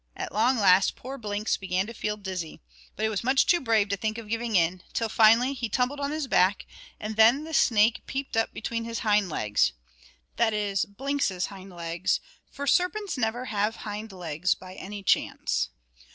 At long last poor Blinks began to feel dizzy; but he was much too brave to think of giving in, till, finally, he tumbled on his back, and then the snake peeped up between his hind legs, that is, Blinks's hind legs; for serpents never have hind legs, by any chance.